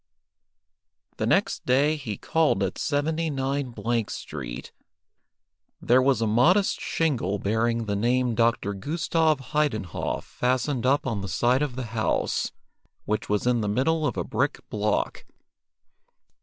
The next day he called at 79 Street. There was a modest shingle bearing the name "Dr. Gustav Heidenhoff" fastened up on the side of the house, which was in the middle of a brick block.